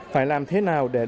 phải làm thế nào để được